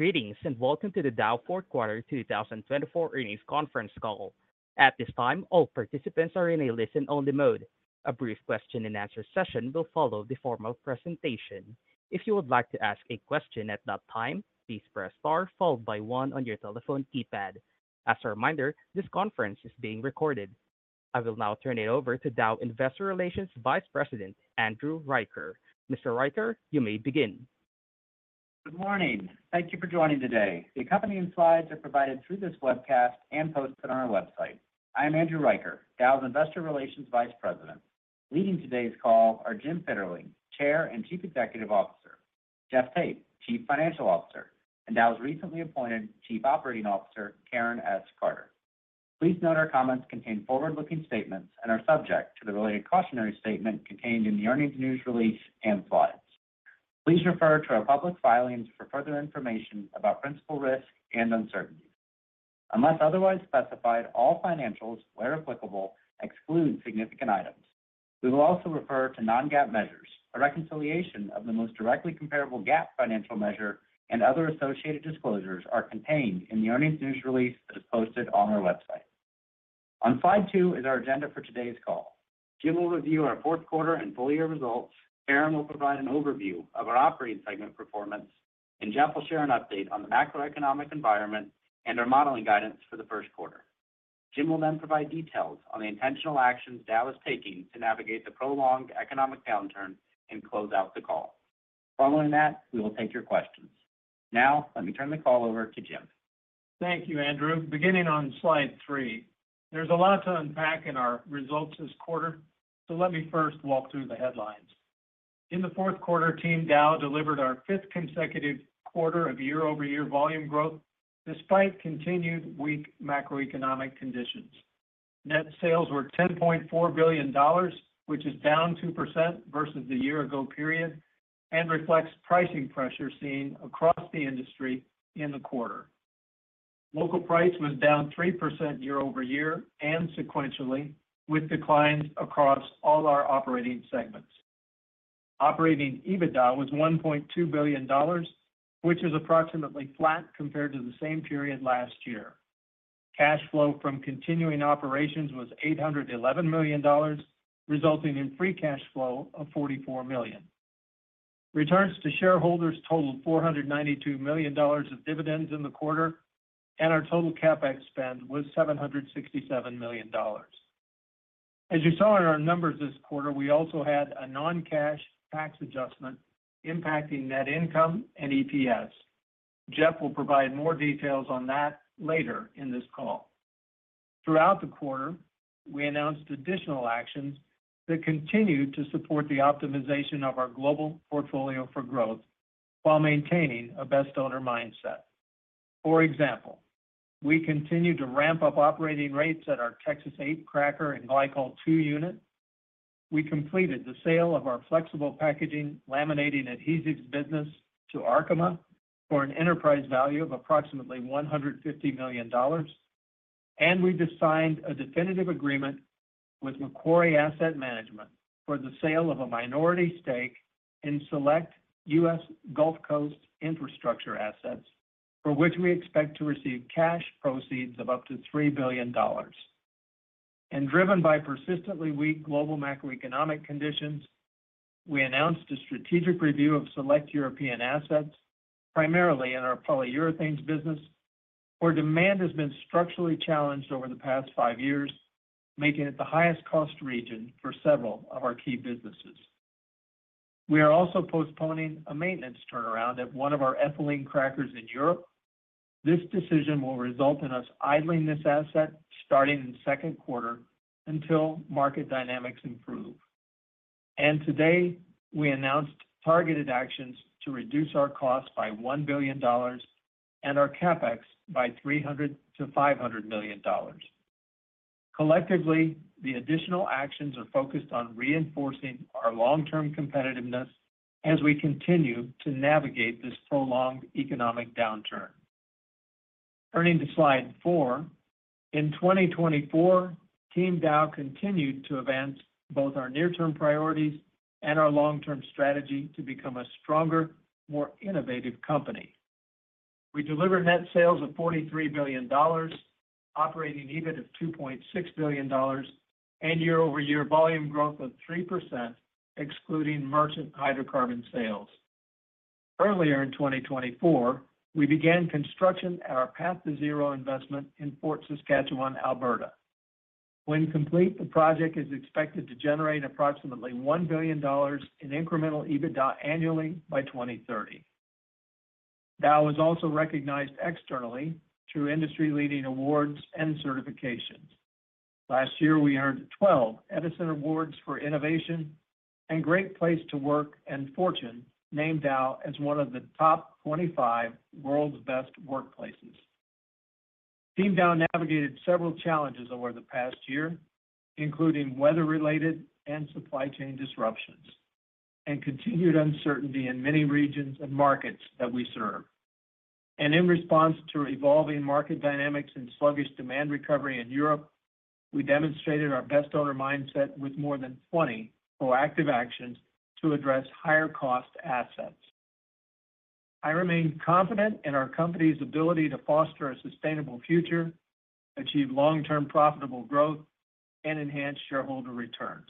Greetings and welcome to the Dow Fourth Quarter 2024 earnings conference call. At this time, all participants are in a listen-only mode. A brief question-and-answer session will follow the formal presentation. If you would like to ask a question at that time, please press star followed by one on your telephone keypad. As a reminder, this conference is being recorded. I will now turn it over to Dow Investor Relations Vice President, Andrew Reicher. Mr. Reicher, you may begin. Good morning. Thank you for joining today. The accompanying slides are provided through this webcast and posted on our website. I am Andrew Reicher, Dow's Investor Relations Vice President. Leading today's call are Jim Fitterling, Chair and Chief Executive Officer, Jeff Tate, Chief Financial Officer, and Dow's recently appointed Chief Operating Officer, Karen S. Carter. Please note our comments contain forward-looking statements and are subject to the related cautionary statement contained in the earnings news release and slides. Please refer to our public filings for further information about principal risk and uncertainties. Unless otherwise specified, all financials, where applicable, exclude significant items. We will also refer to non-GAAP measures. A reconciliation of the most directly comparable GAAP financial measure and other associated disclosures are contained in the earnings news release that is posted on our website. On slide two is our agenda for today's call. Jim will review our fourth quarter and full-year results. Karen will provide an overview of our operating segment performance, and Jeff will share an update on the macroeconomic environment and our modeling guidance for the first quarter. Jim will then provide details on the intentional actions Dow is taking to navigate the prolonged economic downturn and close out the call. Following that, we will take your questions. Now, let me turn the call over to Jim. Thank you, Andrew. Beginning on slide three, there's a lot to unpack in our results this quarter, so let me first walk through the headlines. In the fourth quarter, Team Dow delivered our fifth consecutive quarter of year-over-year volume growth despite continued weak macroeconomic conditions. Net sales were $10.4 billion, which is down 2% versus the year-ago period and reflects pricing pressure seen across the industry in the quarter. Local price was down 3% year-over-year and sequentially, with declines across all our operating segments. Operating EBITDA was $1.2 billion, which is approximately flat compared to the same period last year. Cash flow from continuing operations was $811 million, resulting in free cash flow of $44 million. Returns to shareholders totaled $492 million of dividends in the quarter, and our total CapEx spend was $767 million. As you saw in our numbers this quarter, we also had a non-cash tax adjustment impacting net income and EPS. Jeff will provide more details on that later in this call. Throughout the quarter, we announced additional actions that continue to support the optimization of our global portfolio for growth while maintaining a best-owner mindset. For example, we continue to ramp up operating rates at our Texas-8 Cracker and Glycol 2 unit. We completed the sale of our flexible packaging laminating adhesives business to Arkema for an enterprise value of approximately $150 million, and we've signed a definitive agreement with Macquarie Asset Management for the sale of a minority stake in select U.S. Gulf Coast infrastructure assets, for which we expect to receive cash proceeds of up to $3 billion. Driven by persistently weak global macroeconomic conditions, we announced a strategic review of select European assets, primarily in our Polyurethanes business, where demand has been structurally challenged over the past five years, making it the highest-cost region for several of our key businesses. We are also postponing a maintenance turnaround at one of our ethylene crackers in Europe. This decision will result in us idling this asset starting in the second quarter until market dynamics improve. Today, we announced targeted actions to reduce our cost by $1 billion and our CapEx by $300-$500 million. Collectively, the additional actions are focused on reinforcing our long-term competitiveness as we continue to navigate this prolonged economic downturn. Turning to slide four, in 2024, Team Dow continued to advance both our near-term priorities and our long-term strategy to become a stronger, more innovative company. We delivered net sales of $43 billion, operating EBIT of $2.6 billion, and year-over-year volume growth of 3%, excluding merchant hydrocarbon sales. Earlier in 2024, we began construction at our Path2Zero investment in Fort Saskatchewan, Alberta. When complete, the project is expected to generate approximately $1 billion in incremental EBITDA annually by 2030. Dow is also recognized externally through industry-leading awards and certifications. Last year, we earned 12 Edison Awards for Innovation, and Great Place to Work and Fortune named Dow as one of the top 25 World's Best Workplaces. Team Dow navigated several challenges over the past year, including weather-related and supply chain disruptions, and continued uncertainty in many regions and markets that we serve, and in response to evolving market dynamics and sluggish demand recovery in Europe, we demonstrated our best-owner mindset with more than 20 proactive actions to address higher-cost assets. I remain confident in our company's ability to foster a sustainable future, achieve long-term profitable growth, and enhance shareholder returns.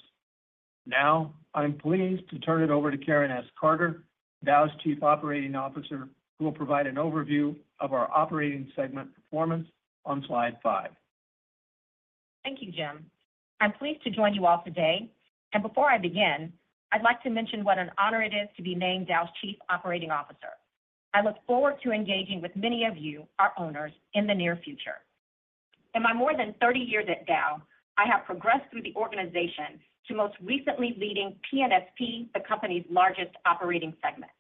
Now, I'm pleased to turn it over to Karen S. Carter, Dow's Chief Operating Officer, who will provide an overview of our operating segment performance on slide five. Thank you, Jim. I'm pleased to join you all today, and before I begin, I'd like to mention what an honor it is to be named Dow's Chief Operating Officer. I look forward to engaging with many of you, our owners, in the near future. In my more than 30 years at Dow, I have progressed through the organization to most recently leading P&SP, the company's largest operating segment,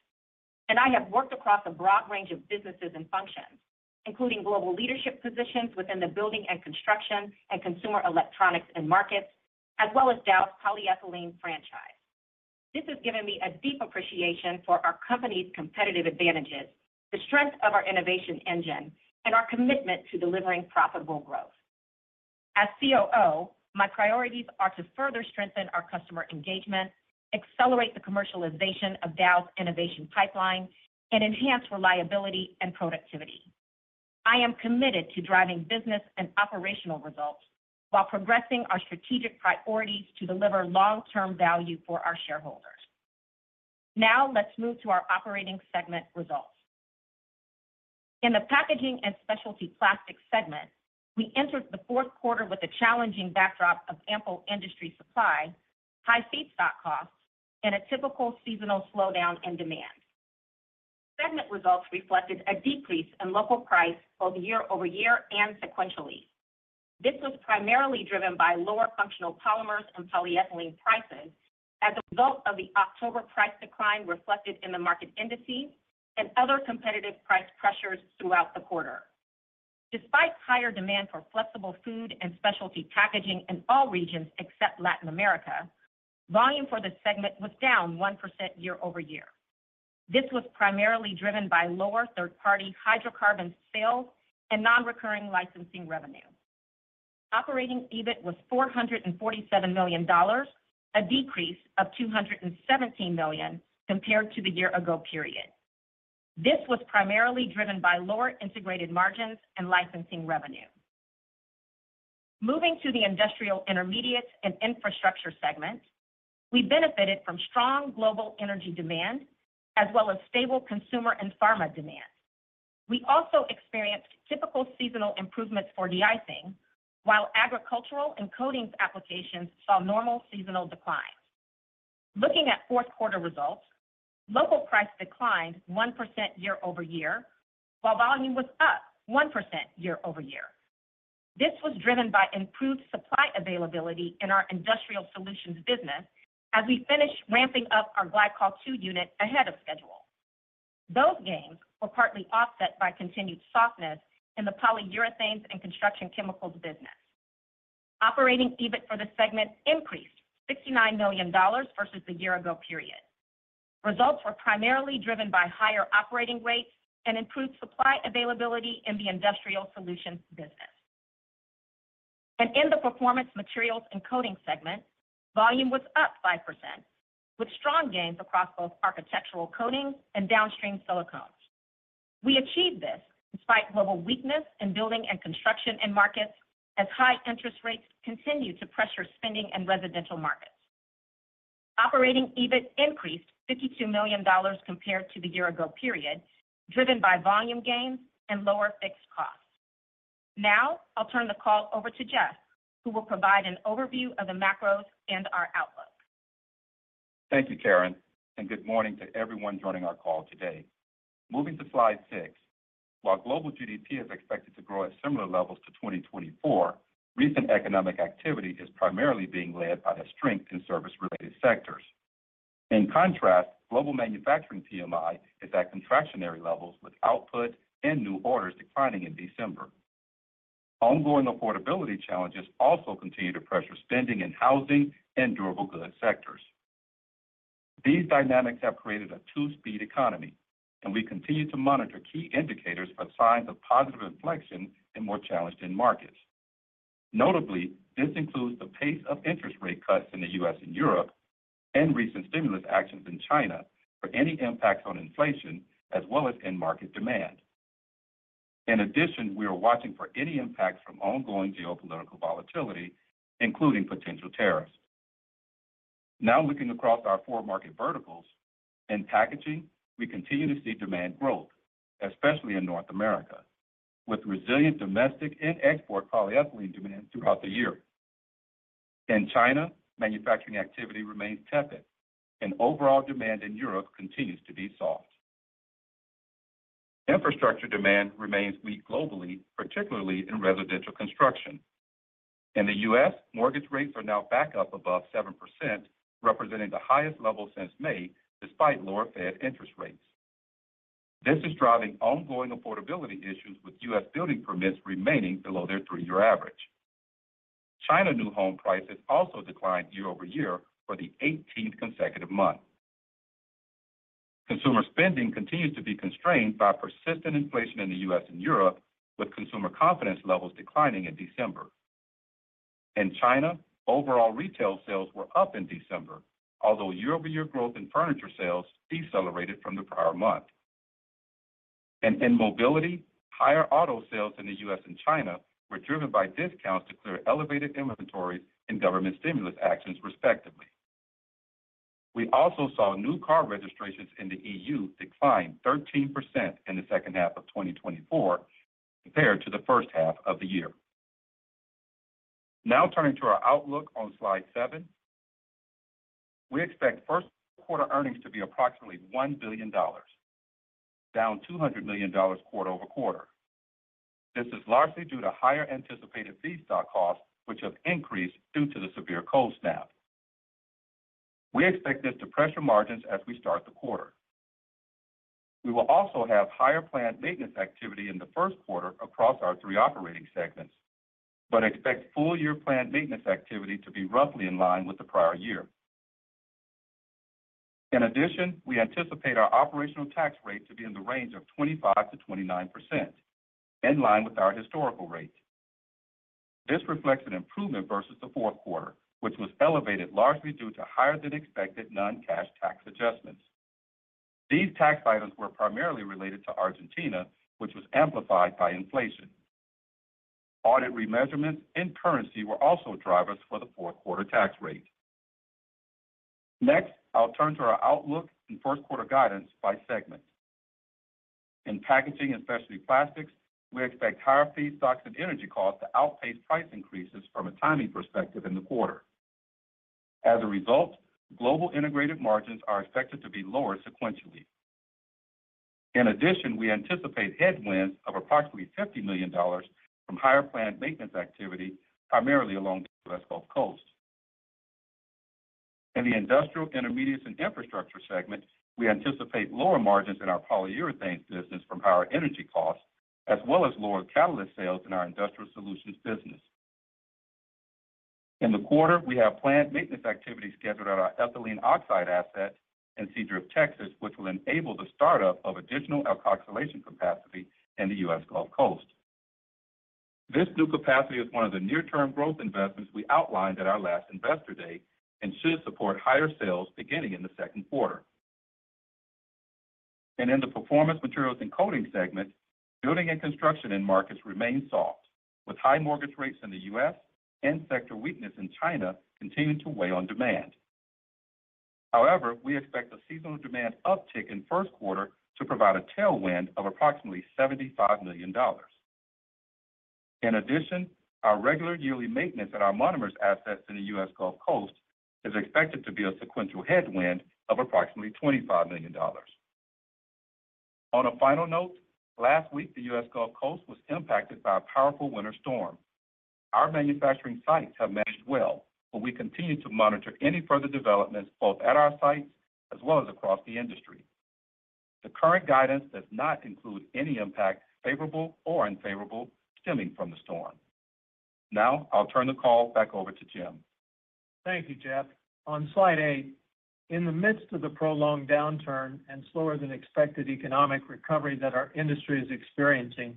and I have worked across a broad range of businesses and functions, including global leadership positions within the building and construction and consumer electronics end markets, as well as Dow's polyethylene franchise. This has given me a deep appreciation for our company's competitive advantages, the strength of our innovation engine, and our commitment to delivering profitable growth. As COO, my priorities are to further strengthen our customer engagement, accelerate the commercialization of Dow's innovation pipeline, and enhance reliability and productivity. I am committed to driving business and operational results while progressing our strategic priorities to deliver long-term value for our shareholders. Now, let's move to our operating segment results. In the Packaging and Specialty Plastics segment, we entered the fourth quarter with a challenging backdrop of ample industry supply, high feedstock costs, and a typical seasonal slowdown in demand. Segment results reflected a decrease in local price both year-over-year and sequentially. This was primarily driven by lower functional polymers and polyethylene prices as a result of the October price decline reflected in the market indices and other competitive price pressures throughout the quarter. Despite higher demand for flexible food and specialty packaging in all regions except Latin America, volume for the segment was down 1% year-over-year. This was primarily driven by lower third-party hydrocarbon sales and non-recurring licensing revenue. Operating EBITDA was $447 million, a decrease of $217 million compared to the year-ago period. This was primarily driven by lower integrated margins and licensing revenue. Moving to the Industrial Intermediates and Infrastructure segment, we benefited from strong global energy demand as well as stable consumer and pharma demand. We also experienced typical seasonal improvements for deicing, while agricultural and coatings applications saw normal seasonal declines. Looking at fourth quarter results, local price declined 1% year-over-year, while volume was up 1% year-over-year. This was driven by improved supply availability in our Industrial Solutions business as we finished ramping up our Glycol 2 unit ahead of schedule. Those gains were partly offset by continued softness in the Polyurethanes and Construction Chemicals business. Operating EBITDA for the segment increased $69 million versus the year-ago period. Results were primarily driven by higher operating rates and improved supply availability in the Industrial Solutions business. In the Performance Materials and Coatings segment, volume was up 5%, with strong gains across both architectural coatings and downstream silicones. We achieved this despite global weakness in building and construction markets as high interest rates continued to pressure spending in residential markets. Operating EBIT increased $52 million compared to the year-ago period, driven by volume gains and lower fixed costs. Now, I'll turn the call over to Jeff, who will provide an overview of the macros and our outlook. Thank you, Karen, and good morning to everyone joining our call today. Moving to slide six, while global GDP is expected to grow at similar levels to 2024, recent economic activity is primarily being led by the strength in service-related sectors. In contrast, global manufacturing PMI is at contractionary levels, with output and new orders declining in December. Ongoing affordability challenges also continue to pressure spending in housing and durable goods sectors. These dynamics have created a two-speed economy, and we continue to monitor key indicators for signs of positive inflection in more challenged markets. Notably, this includes the pace of interest rate cuts in the U.S. and Europe and recent stimulus actions in China for any impacts on inflation as well as in-market demand. In addition, we are watching for any impacts from ongoing geopolitical volatility, including potential tariffs. Now, looking across our four market verticals, in packaging, we continue to see demand growth, especially in North America, with resilient domestic and export polyethylene demand throughout the year. In China, manufacturing activity remains tepid, and overall demand in Europe continues to be soft. Infrastructure demand remains weak globally, particularly in residential construction. In the U.S., mortgage rates are now back up above 7%, representing the highest level since May despite lower Fed interest rates. This is driving ongoing affordability issues, with U.S. building permits remaining below their three-year average. China new home prices also declined year-over-year for the 18th consecutive month. Consumer spending continues to be constrained by persistent inflation in the U.S. and Europe, with consumer confidence levels declining in December. In China, overall retail sales were up in December, although year-over-year growth in furniture sales decelerated from the prior month. In mobility, higher auto sales in the U.S. and China were driven by discounts to clear elevated inventories and government stimulus actions, respectively. We also saw new car registrations in the EU decline 13% in the second half of 2024 compared to the first half of the year. Now, turning to our outlook on slide seven, we expect first quarter earnings to be approximately $1 billion, down $200 million quarter-over-quarter. This is largely due to higher anticipated feedstock costs, which have increased due to the severe cold snap. We expect this to pressure margins as we start the quarter. We will also have higher planned maintenance activity in the first quarter across our three operating segments, but expect full-year planned maintenance activity to be roughly in line with the prior year. In addition, we anticipate our operational tax rate to be in the range of 25%-29%, in line with our historical rate. This reflects an improvement versus the fourth quarter, which was elevated largely due to higher-than-expected non-cash tax adjustments. These tax items were primarily related to Argentina, which was amplified by inflation. Audit remeasurements in currency were also drivers for the fourth quarter tax rate. Next, I'll turn to our outlook and first quarter guidance by segment. In Packaging and Specialty Plastics, we expect higher feedstocks and energy costs to outpace price increases from a timing perspective in the quarter. As a result, global integrated margins are expected to be lower sequentially. In addition, we anticipate headwinds of approximately $50 million from higher planned maintenance activity, primarily along the U.S. Gulf Coast. In the Industrial Intermediates and Infrastructure segment, we anticipate lower margins in our Polyurethanes business from higher energy costs, as well as lower catalyst sales in our Industrial Solutions business. In the quarter, we have planned maintenance activity scheduled at our ethylene oxide asset in Seadrift, Texas, which will enable the startup of additional alcohol distillation capacity in the U.S. Gulf Coast. This new capacity is one of the near-term growth investments we outlined at our last investor day and should support higher sales beginning in the second quarter. In the Performance Materials and Coatings segment, building and construction markets remain soft, with high mortgage rates in the U.S. and sector weakness in China continuing to weigh on demand. However, we expect a seasonal demand uptick in first quarter to provide a tailwind of approximately $75 million. In addition, our regular yearly maintenance at our Monomers assets in the U.S. Gulf Coast is expected to be a sequential headwind of approximately $25 million. On a final note, last week, the U.S. Gulf Coast was impacted by a powerful winter storm. Our manufacturing sites have managed well, but we continue to monitor any further developments both at our sites as well as across the industry. The current guidance does not include any impact, favorable or unfavorable, stemming from the storm. Now, I'll turn the call back over to Jim. Thank you, Jeff. On slide eight, in the midst of the prolonged downturn and slower-than-expected economic recovery that our industry is experiencing,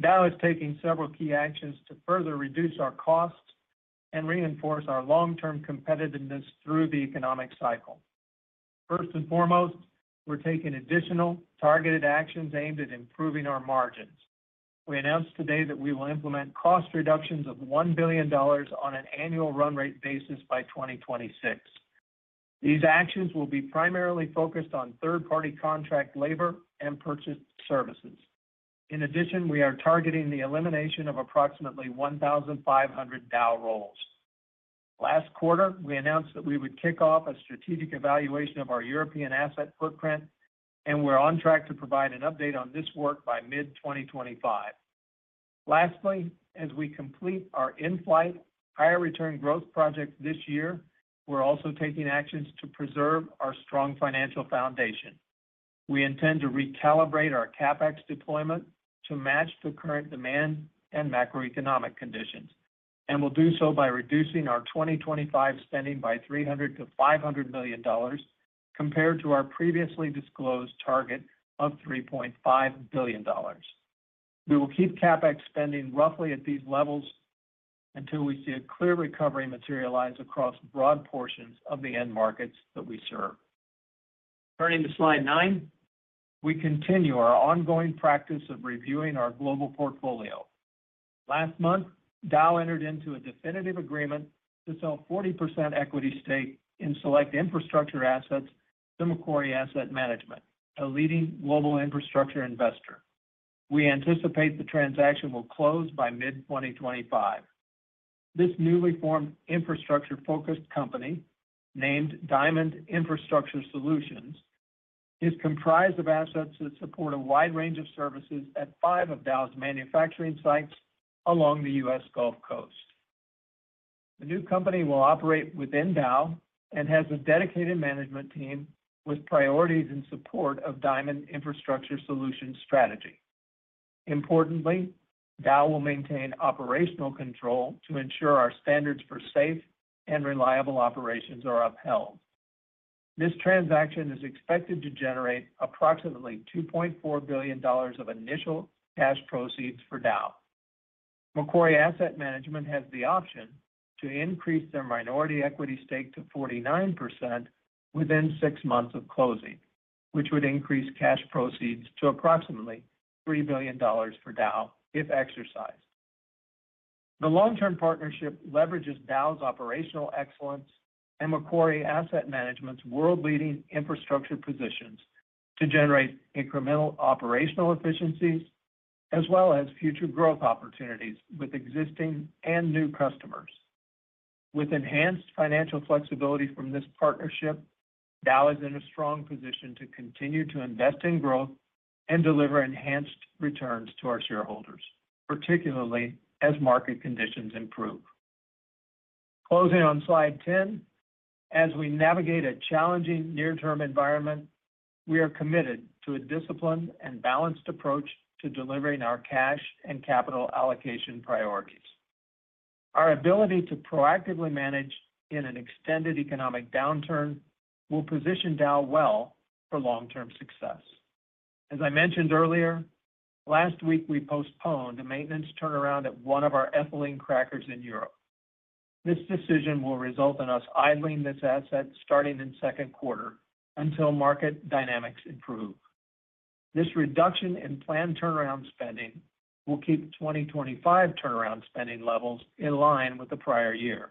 Dow is taking several key actions to further reduce our costs and reinforce our long-term competitiveness through the economic cycle. First and foremost, we're taking additional targeted actions aimed at improving our margins. We announced today that we will implement cost reductions of $1 billion on an annual run rate basis by 2026. These actions will be primarily focused on third-party contract labor and purchased services. In addition, we are targeting the elimination of approximately 1,500 Dow roles. Last quarter, we announced that we would kick off a strategic evaluation of our European asset footprint, and we're on track to provide an update on this work by mid-2025. Lastly, as we complete our in-flight higher return growth project this year, we're also taking actions to preserve our strong financial foundation. We intend to recalibrate our CapEx deployment to match the current demand and macroeconomic conditions, and we'll do so by reducing our 2025 spending by $300-$500 million compared to our previously disclosed target of $3.5 billion. We will keep CapEx spending roughly at these levels until we see a clear recovery materialize across broad portions of the end markets that we serve. Turning to slide nine, we continue our ongoing practice of reviewing our global portfolio. Last month, Dow entered into a definitive agreement to sell 40% equity stake in select infrastructure assets to Macquarie Asset Management, a leading global infrastructure investor. We anticipate the transaction will close by mid-2025. This newly formed infrastructure-focused company, named Diamond Infrastructure Solutions, is comprised of assets that support a wide range of services at five of Dow's manufacturing sites along the U.S. Gulf Coast. The new company will operate within Dow and has a dedicated management team with priorities in support of Diamond Infrastructure Solutions' strategy. Importantly, Dow will maintain operational control to ensure our standards for safe and reliable operations are upheld. This transaction is expected to generate approximately $2.4 billion of initial cash proceeds for Dow. Macquarie Asset Management has the option to increase their minority equity stake to 49% within six months of closing, which would increase cash proceeds to approximately $3 billion for Dow if exercised. The long-term partnership leverages Dow's operational excellence and Macquarie Asset Management's world-leading infrastructure positions to generate incremental operational efficiencies as well as future growth opportunities with existing and new customers. With enhanced financial flexibility from this partnership, Dow is in a strong position to continue to invest in growth and deliver enhanced returns to our shareholders, particularly as market conditions improve. Closing on slide 10, as we navigate a challenging near-term environment, we are committed to a disciplined and balanced approach to delivering our cash and capital allocation priorities. Our ability to proactively manage in an extended economic downturn will position Dow well for long-term success. As I mentioned earlier, last week, we postponed a maintenance turnaround at one of our ethylene crackers in Europe. This decision will result in us idling this asset starting in second quarter until market dynamics improve. This reduction in planned turnaround spending will keep 2025 turnaround spending levels in line with the prior year.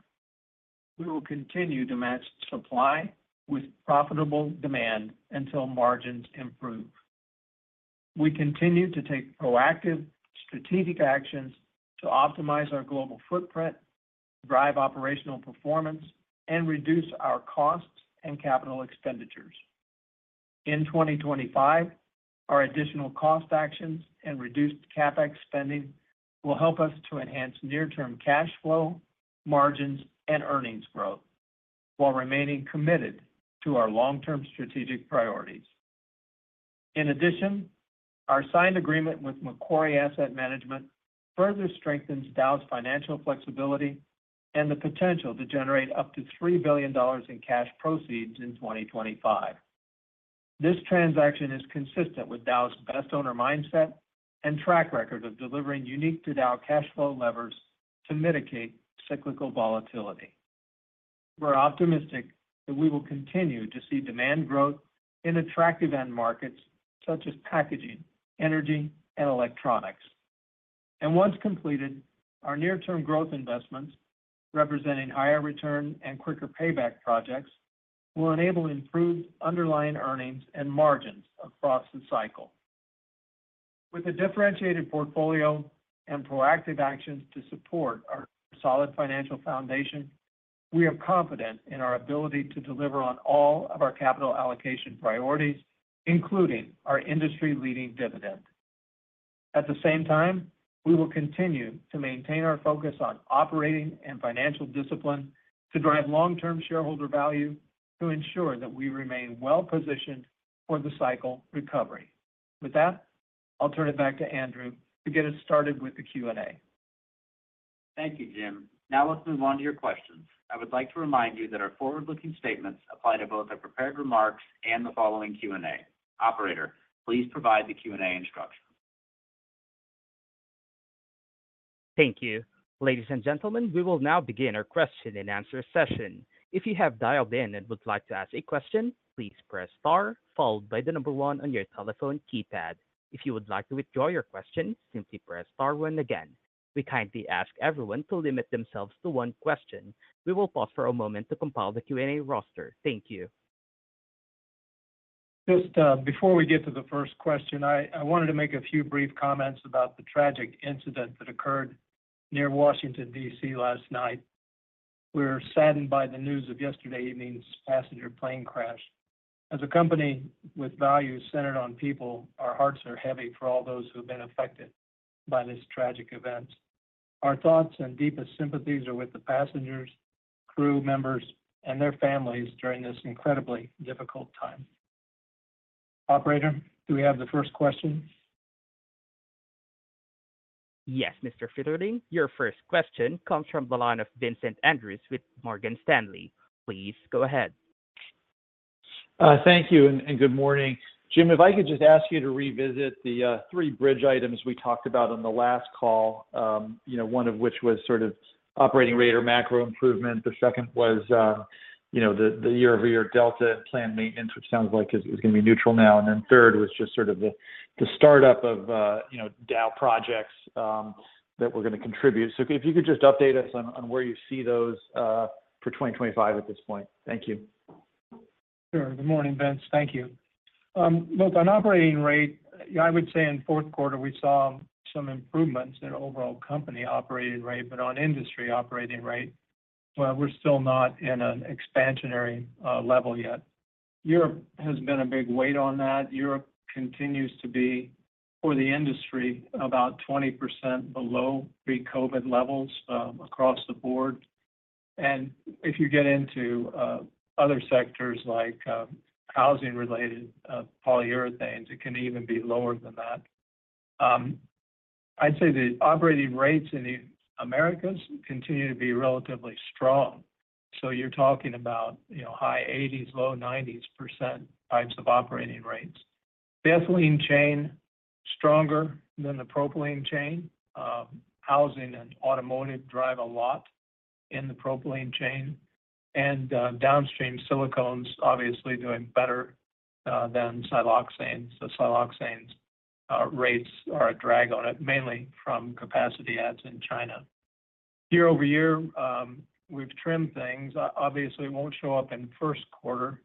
We will continue to match supply with profitable demand until margins improve. We continue to take proactive strategic actions to optimize our global footprint, drive operational performance, and reduce our costs and capital expenditures. In 2025, our additional cost actions and reduced CapEx spending will help us to enhance near-term cash flow, margins, and earnings growth while remaining committed to our long-term strategic priorities. In addition, our signed agreement with Macquarie Asset Management further strengthens Dow's financial flexibility and the potential to generate up to $3 billion in cash proceeds in 2025. This transaction is consistent with Dow's best owner mindset and track record of delivering unique-to-Dow cash flow levers to mitigate cyclical volatility. We're optimistic that we will continue to see demand growth in attractive end markets such as packaging, energy, and electronics. Once completed, our near-term growth investments, representing higher return and quicker payback projects, will enable improved underlying earnings and margins across the cycle. With a differentiated portfolio and proactive actions to support our solid financial foundation, we are confident in our ability to deliver on all of our capital allocation priorities, including our industry-leading dividend. At the same time, we will continue to maintain our focus on operating and financial discipline to drive long-term shareholder value to ensure that we remain well-positioned for the cycle recovery. With that, I'll turn it back to Andrew to get us started with the Q&A. Thank you, Jim. Now, let's move on to your questions. I would like to remind you that our forward-looking statements apply to both our prepared remarks and the following Q&A. Operator, please provide the Q&A instructions. Thank you. Ladies and gentlemen, we will now begin our question-and-answer session. If you have dialed in and would like to ask a question, please press star, followed by the number one on your telephone keypad. If you would like to withdraw your question, simply press star one again. We kindly ask everyone to limit themselves to one question. We will pause for a moment to compile the Q&A roster. Thank you. Just before we get to the first question, I wanted to make a few brief comments about the tragic incident that occurred near Washington, D.C., last night. We're saddened by the news of yesterday evening's passenger plane crash. As a company with values centered on people, our hearts are heavy for all those who have been affected by this tragic event. Our thoughts and deepest sympathies are with the passengers, crew members, and their families during this incredibly difficult time. Operator, do we have the first question? Yes, Mr. Fitterling, your first question comes from the line of Vincent Andrews with Morgan Stanley. Please go ahead. Thank you and good morning. Jim, if I could just ask you to revisit the three bridge items we talked about on the last call, one of which was sort of operating rate or macro improvement. The second was the year-over-year delta and planned maintenance, which sounds like is going to be neutral now. Then third was just sort of the startup of Dow projects that we're going to contribute. So if you could just update us on where you see those for 2025 at this point. Thank you. Sure. Good morning, Vince. Thank you. Look, on operating rate, I would say in fourth quarter, we saw some improvements in overall company operating rate, but on industry operating rate, we're still not in an expansionary level yet. Europe has been a big weight on that. Europe continues to be, for the industry, about 20% below pre-COVID levels across the board and if you get into other sectors like housing-related Polyurethanes, it can even be lower than that. I'd say the operating rates in the Americas continue to be relatively strong. So you're talking about high 80s, low 90s percent types of operating rates. The ethylene chain is stronger than the propylene chain. Housing and automotive drive a lot in the propylene chain and downstream silicones, obviously, are doing better than siloxane. So siloxane rates are a drag on it, mainly from capacity adds in China. Year-over-year, we've trimmed things. Obviously, it won't show up in first quarter,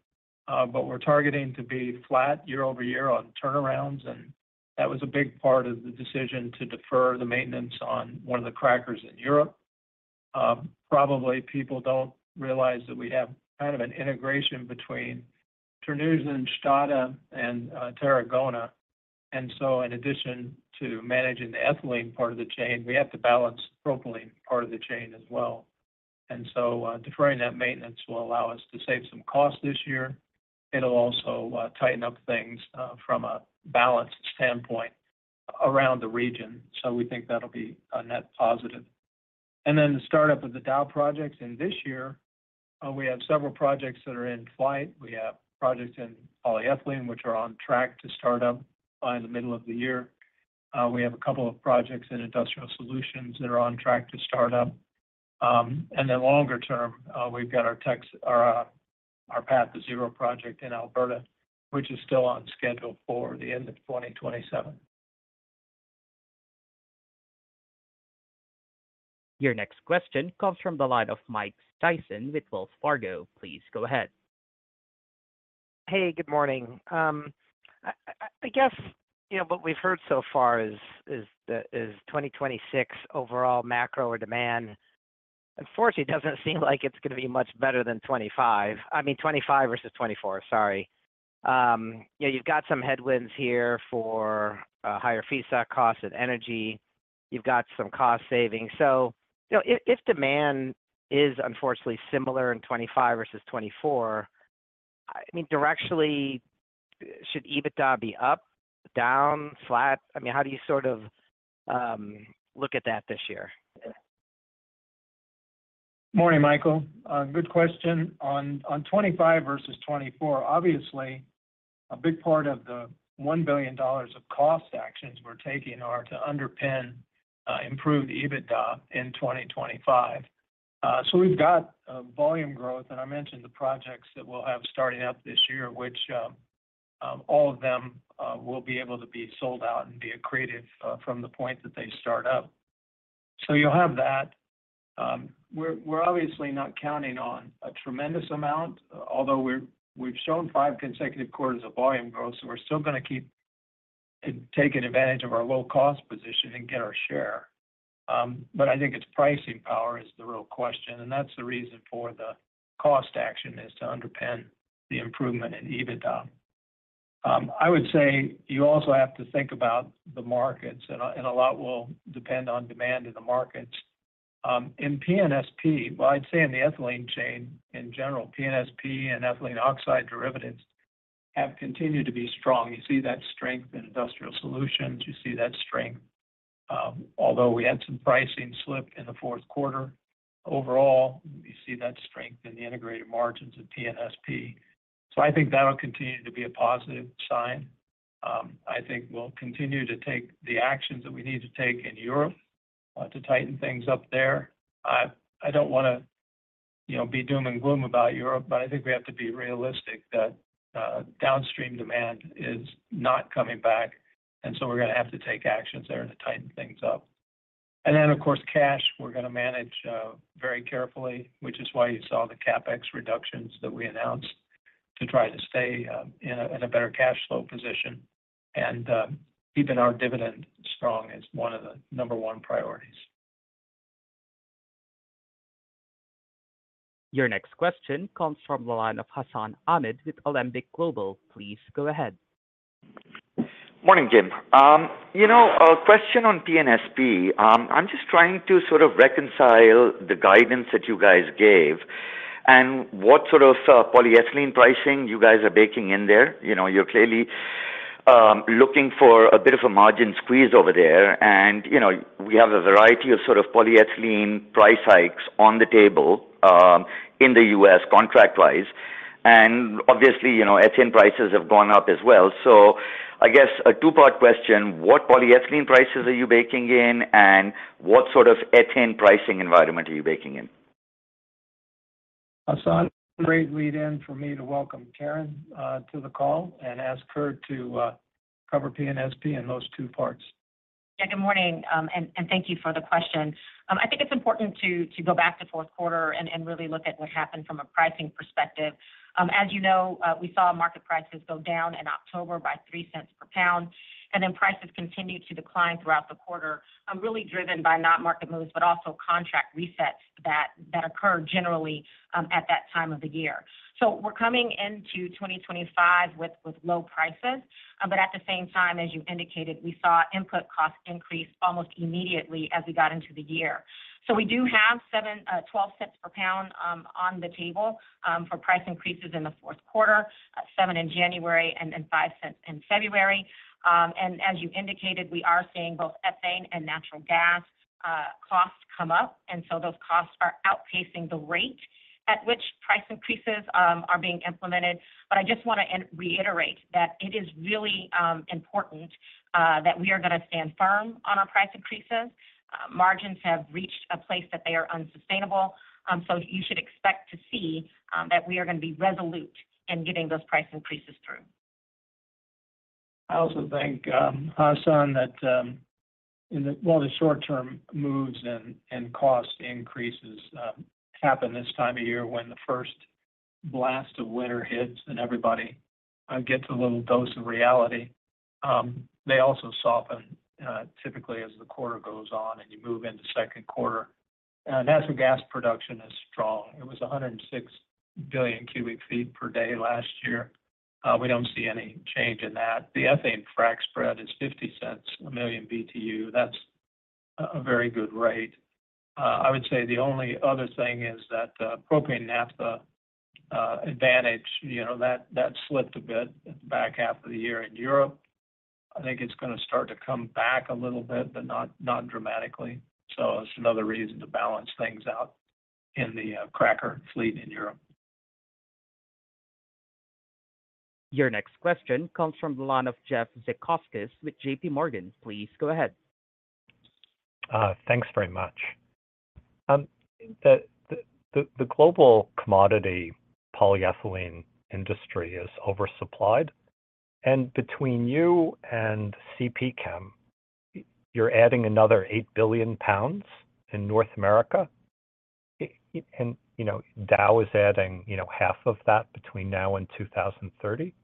but we're targeting to be flat year-over-year on turnarounds and that was a big part of the decision to defer the maintenance on one of the crackers in Europe. Probably people don't realize that we have kind of an integration between Terneuzen and Stade and Tarragona. So, in addition to managing the ethylene part of the chain, we have to balance the propylene part of the chain as well. So deferring that maintenance will allow us to save some costs this year. It'll also tighten up things from a balance standpoint around the region. So we think that'll be a net positive. And then the startup of the Dow projects in this year, we have several projects that are in flight. We have projects in polyethylene, which are on track to start up by the middle of the year. We have a couple of projects in Industrial Solutions that are on track to start up, and then longer term, we've got our Path2Zero project in Alberta, which is still on schedule for the end of 2027. Your next question comes from the line of Mike Sison with Wells Fargo. Please go ahead. Hey, good morning. I guess what we've heard so far is 2026 overall macro or demand, unfortunately, doesn't seem like it's going to be much better than 2025. I mean, 2025 versus 2024, sorry. You've got some headwinds here for higher feedstock costs and energy. You've got some cost savings. So if demand is unfortunately similar in 2025 versus 2024, I mean, directionally, should EBITDA be up, down, flat? I mean, how do you sort of look at that this year? Morning, Michael. Good question. On 2025 versus 2024, obviously, a big part of the $1 billion of cost actions we're taking are to underpin, improve EBITDA in 2025. So we've got volume growth, and I mentioned the projects that we'll have starting up this year, which all of them will be able to be sold out and be accretive from the point that they start up. So you'll have that. We're obviously not counting on a tremendous amount, although we've shown five consecutive quarters of volume growth. So we're still going to keep taking advantage of our low-cost position and get our share. But I think it's pricing power is the real question and that's the reason for the cost action is to underpin the improvement in EBITDA. I would say you also have to think about the markets, and a lot will depend on demand in the markets. In P&SP, well, I'd say in the ethylene chain in general, P&SP and ethylene oxide derivatives have continued to be strong. You see that strength in Industrial Solutions. You see that strength, although we had some pricing slip in the fourth quarter. Overall, you see that strength in the integrated margins of P&SP. So I think that'll continue to be a positive sign. I think we'll continue to take the actions that we need to take in Europe to tighten things up there. I don't want to be doom and gloom about Europe, but I think we have to be realistic that downstream demand is not coming back, and so we're going to have to take actions there to tighten things up. Then, of course, cash, we're going to manage very carefully, which is why you saw the CapEx reductions that we announced to try to stay in a better cash flow position and keep our dividend strong as one of the number one priorities. Your next question comes from the line of Hassan Ahmed with Alembic Global Advisors. Please go ahead. Morning, Jim. A question on P&SP. I'm just trying to sort of reconcile the guidance that you guys gave and what sort of polyethylene pricing you guys are baking in there. You're clearly looking for a bit of a margin squeeze over there and we have a variety of sort of polyethylene price hikes on the table in the U.S., contract-wise. Obviously, ethane prices have gone up as well. So I guess a two-part question. What polyethylene prices are you baking in, and what sort of ethane pricing environment are you baking in? Hassan, great lead-in for me to welcome Karen to the call and ask her to cover P&SP in those two parts. Yeah, good morning, and thank you for the question. I think it's important to go back to fourth quarter and really look at what happened from a pricing perspective. As you know, we saw market prices go down in October by $0.3 per pound, and then prices continued to decline throughout the quarter, really driven by not market moves, but also contract resets that occur generally at that time of the year. We're coming into 2025 with low prices. But at the same time, as you indicated, we saw input costs increase almost immediately as we got into the year. We do have $0.12 per pound on the table for price increases in the fourth quarter, seven in January, and $0.5 in February and as you indicated, we are seeing both ethane and natural gas costs come up. So those costs are outpacing the rate at which price increases are being implemented. But I just want to reiterate that it is really important that we are going to stand firm on our price increases. Margins have reached a place that they are unsustainable. So you should expect to see that we are going to be resolute in getting those price increases through. I also think that while the short-term moves and cost increases happen this time of year when the first blast of winter hits and everybody gets a little dose of reality, they also soften, typically, as the quarter goes on and you move into second quarter. Natural gas production is strong. It was 106 billion cubic feet per day last year. We don't see any change in that. The ethane frac spread is $0.50 per million BTU. That's a very good rate. I would say the only other thing is that propane naphtha advantage, that slipped a bit at the back half of the year in Europe. I think it's going to start to come back a little bit, but not dramatically. So it's another reason to balance things out in the cracker fleet in Europe. Your next question comes from the line of Jeffrey Zekauskas with J.P. Morgan. Please go ahead. Thanks very much. The global commodity polyethylene industry is oversupplied and between you and CPChem, you're adding another 8 billion in North America and Dow is adding half of that between now and 2030.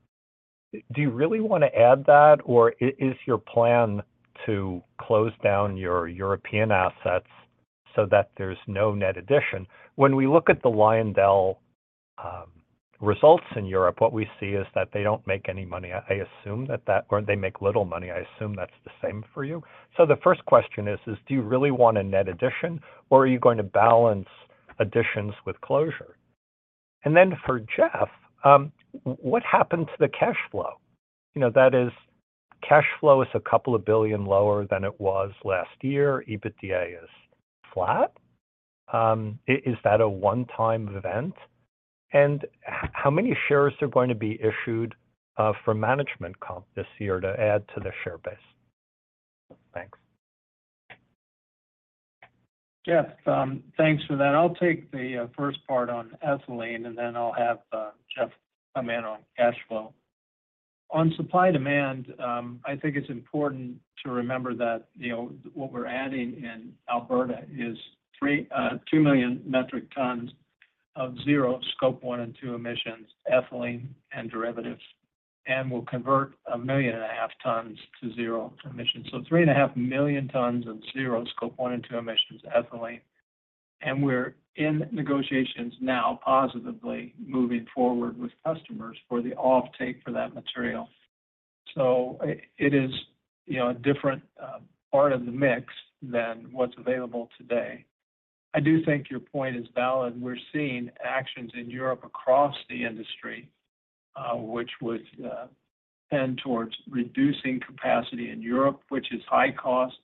Do you really want to add that, or is your plan to close down your European assets so that there's no net addition? When we look at the LyondellBasell results in Europe, what we see is that they don't make any money. I assume that, or they make little money. I assume that's the same for you. So the first question is, do you really want a net addition, or are you going to balance additions with closure? Then for Jeff, what happened to the cash flow? That is, cash flow is a couple of billion lower than it was last year. EBITDA is flat. Is that a one-time event? How many shares are going to be issued for management comp this year to add to the share base? Thanks. Jeff, thanks for that. I'll take the first part on ethylene, and then I'll have Jeff come in on cash flow. On supply demand, I think it's important to remember that what we're adding in Alberta is 2 million metric tons of zero Scope 1 and 2 emissions, ethylene and derivatives and we'll convert a million and a half tons to zero emissions. So 3.5 million tons of zero Scope 1 and 2 emissions, ethylene and we're in negotiations now, positively moving forward with customers for the offtake for that material. So it is a different part of the mix than what's available today. I do think your point is valid. We're seeing actions in Europe across the industry, which would tend towards reducing capacity in Europe, which is high cost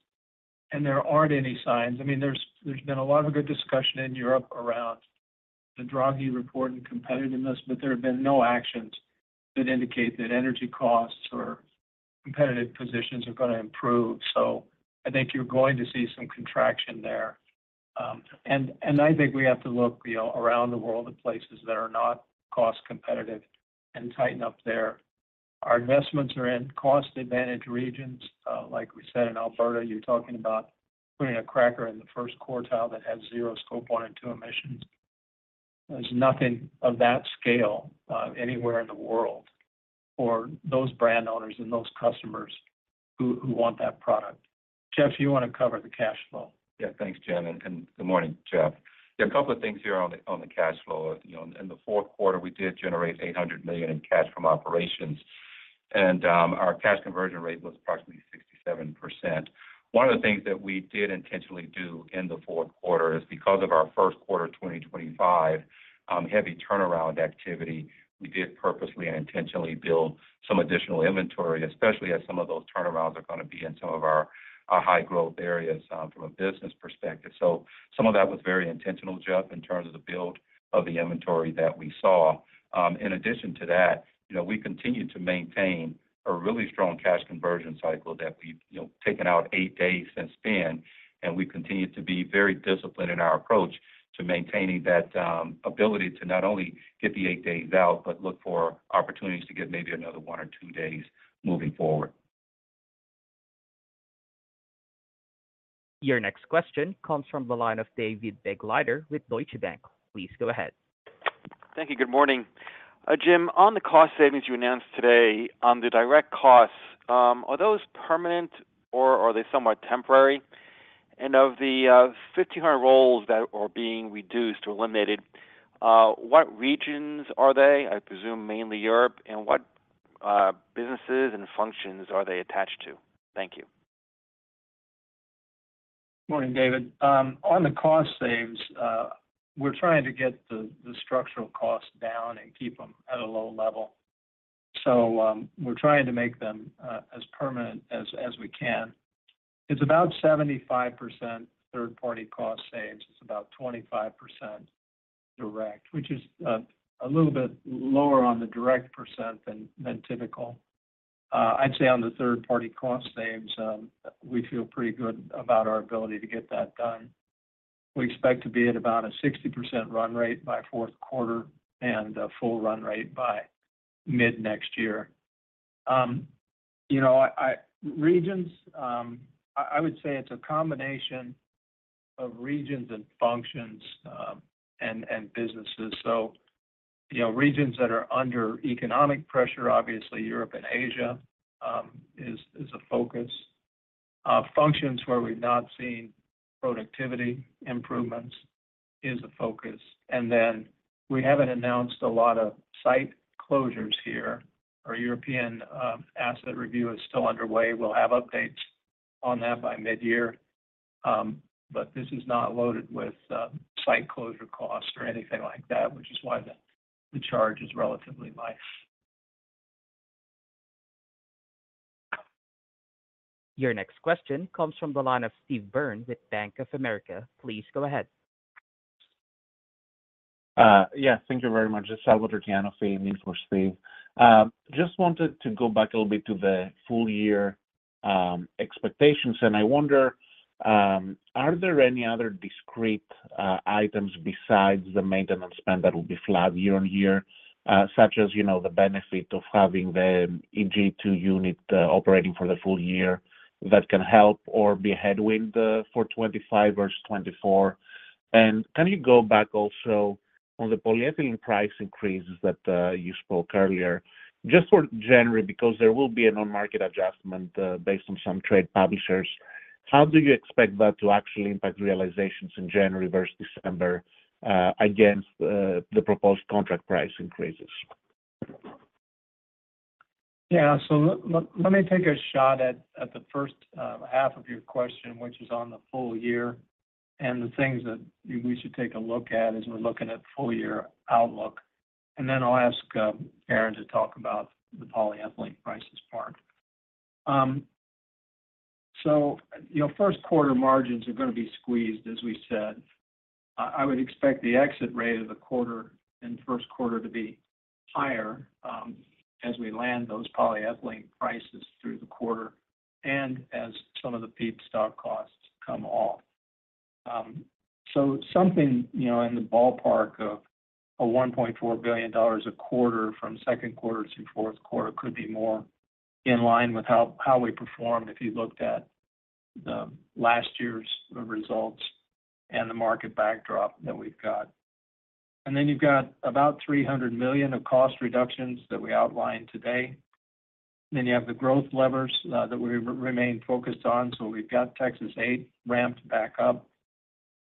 and there aren't any signs. I mean, there's been a lot of good discussion in Europe around the Draghi report and competitiveness, but there have been no actions that indicate that energy costs or competitive positions are going to improve. So I think you're going to see some contraction there and I think we have to look around the world at places that are not cost competitive and tighten up there. Our investments are in cost-advantage regions. Like we said in Alberta, you're talking about putting a cracker in the first quartile that has zero scope one and two emissions. There's nothing of that scale anywhere in the world for those brand owners and those customers who want that product. Jeff, you want to cover the cash flow. Yeah, thanks, Jim and good morning, Jeff. There are a couple of things here on the cash flow. In the fourth quarter, we did generate $800 million in cash from operations and our cash conversion rate was approximately 67%. One of the things that we did intentionally do in the fourth quarter is because of our first quarter 2025 heavy turnaround activity, we did purposely and intentionally build some additional inventory, especially as some of those turnarounds are going to be in some of our high-growth areas from a business perspective. So some of that was very intentional, Jeff, in terms of the build of the inventory that we saw. In addition to that, we continue to maintain a really strong cash conversion cycle that we've taken out eight days since then. We continue to be very disciplined in our approach to maintaining that ability to not only get the eight days out, but look for opportunities to get maybe another one or two days moving forward. Your next question comes from the line of David Begleiter with Deutsche Bank. Please go ahead. Thank you. Good morning. Jim, on the cost savings you announced today on the direct costs, are those permanent or are they somewhat temporary? Of the 1,500 roles that are being reduced or eliminated, what regions are they? I presume mainly Europe and what businesses and functions are they attached to? Thank you. Morning, David. On the cost savings, we're trying to get the structural costs down and keep them at a low level. So we're trying to make them as permanent as we can. It's about 75% third-party cost savings. It's about 25% direct, which is a little bit lower on the direct percent than typical. I'd say on the third-party cost savings, we feel pretty good about our ability to get that done. We expect to be at about a 60% run rate by fourth quarter and a full run rate by mid-next year. Regions, I would say it's a combination of regions and functions and businesses. So regions that are under economic pressure, obviously, Europe and Asia is a focus. Functions where we've not seen productivity improvements is a focus. Then we haven't announced a lot of site closures here. Our European asset review is still underway. We'll have updates on that by mid-year. But this is not loaded with site closure costs or anything like that, which is why the charge is relatively nice. Your next question comes from the line of Steve Byrne with Bank of America. Please go ahead. Yes, thank you very much. This is Salvator Tiano for Steve. Just wanted to go back a little bit to the full-year expectations and I wonder, are there any other discrete items besides the maintenance spend that will be flat year on year, such as the benefit of having the EG-2 unit operating for the full year that can help or be a headwind for 2025 versus 2024? Can you go back also on the polyethylene price increases that you spoke earlier, just for January, because there will be an on-market adjustment based on some trade publishers? How do you expect that to actually impact realizations in January versus December against the proposed contract price increases? Yeah. So let me take a shot at the first half of your question, which is on the full year and the things that we should take a look at is we're looking at full-year outlook. Then I'll ask Karen to talk about the polyethylene prices part. So first-quarter margins are going to be squeezed, as we said. I would expect the exit rate of the quarter and first quarter to be higher as we land those polyethylene prices through the quarter and as some of the feedstock costs come off. So something in the ballpark of $1.4 billion a quarter from second quarter to fourth quarter could be more in line with how we performed if you looked at last year's results and the market backdrop that we've got. Then you've got about $300 million of cost reductions that we outlined today. Then you have the growth levers that we remain focused on. So we've got Texas-8 ramped back up.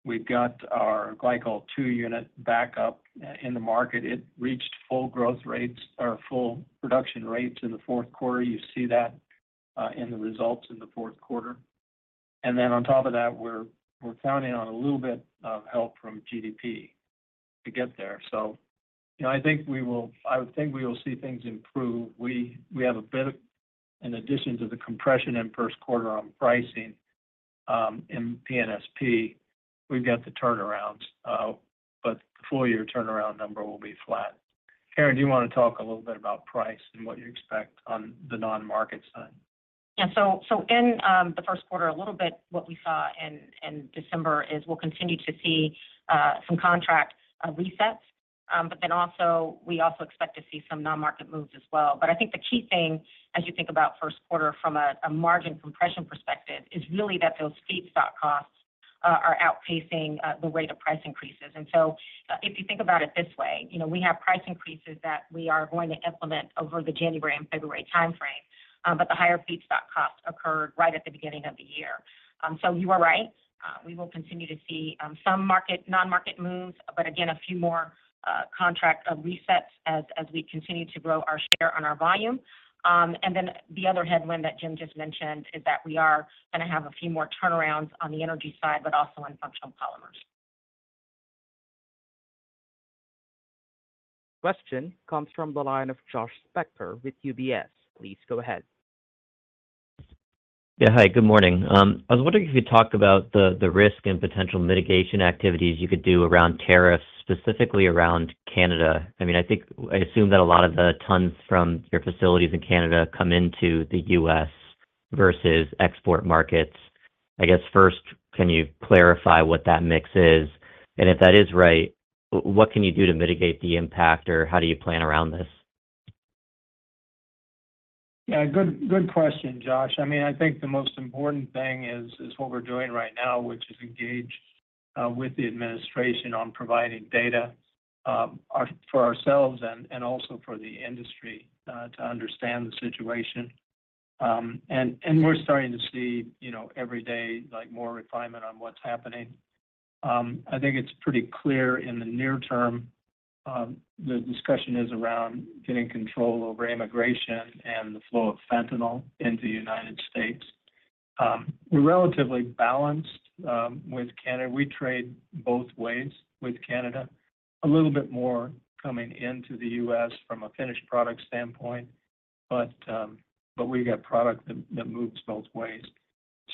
We've got our Glycol-2 unit back up in the market. It reached full growth rates or full production rates in the fourth quarter. You see that in the results in the fourth quarter. Then on top of that, we're counting on a little bit of help from GDP to get there. So I think we will. I would think we will see things improve. We have a bit of, in addition to the compression in first quarter on pricing in P&SP, we've got the turnarounds. But the full-year turnaround number will be flat. Karen, do you want to talk a little bit about price and what you expect on the non-market side? Yeah. So in the first quarter, a little bit of what we saw in December is we'll continue to see some contract resets. But then we also expect to see some non-market moves as well. But I think the key thing as you think about first quarter from a margin compression perspective is really that those feedstock costs are outpacing the rate of price increases. So if you think about it this way, we have price increases that we are going to implement over the January and February timeframe. But the higher feedstock costs occurred right at the beginning of the year. So you are right. We will continue to see some non-market moves, but again, a few more contract resets as we continue to grow our share on our volume. Then the other headwind that Jim just mentioned is that we are going to have a few more turnarounds on the energy side, but also in functional polymers. Question comes from the line of Josh Spector with UBS. Please go ahead. Yeah. Hi, good morning. I was wondering if you could talk about the risk and potential mitigation activities you could do around tariffs, specifically around Canada. I mean, I assume that a lot of the tons from your facilities in Canada come into the U.S. versus export markets. I guess first, can you clarify what that mix is, and if that is right, what can you do to mitigate the impact, or how do you plan around this? Yeah. Good question, Josh. I mean, I think the most important thing is what we're doing right now, which is engage with the administration on providing data for ourselves and also for the industry to understand the situation and we're starting to see every day more refinement on what's happening. I think it's pretty clear in the near term. The discussion is around getting control over immigration and the flow of fentanyl into the United States. We're relatively balanced with Canada. We trade both ways with Canada, a little bit more coming into the U.S. from a finished product standpoint. But we've got product that moves both ways.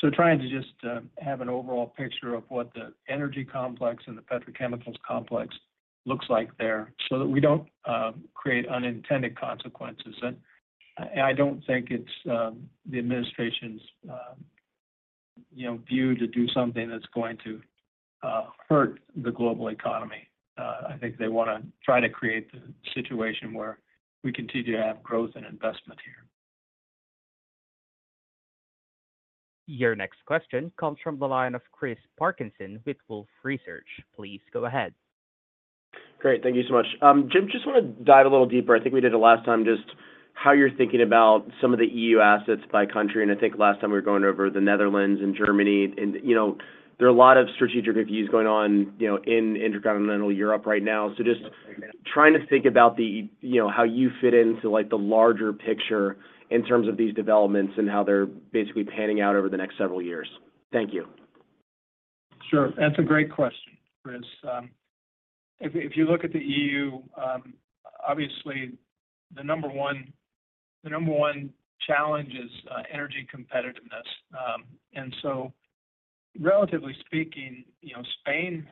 So trying to just have an overall picture of what the energy complex and the petrochemicals complex looks like there so that we don't create unintended consequences. I don't think it's the administration's view to do something that's going to hurt the global economy. I think they want to try to create the situation where we continue to have growth and investment here. Your next question comes from the line of Chris Parkinson with Wolfe Research. Please go ahead. Great. Thank you so much. Jim, just want to dive a little deeper. I think we did it last time, just how you're thinking about some of the EU assets by country and I think last time we were going over the Netherlands and Germany. There are a lot of strategic reviews going on in Continental Europe right now. So just trying to think about how you fit into the larger picture in terms of these developments and how they're basically panning out over the next several years. Thank you. Sure. That's a great question, Chris. If you look at the EU, obviously, the number one challenge is energy competitiveness, and so relatively speaking, Spain